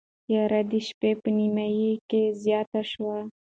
تیاره د شپې په نیمايي کې زیاته شوه.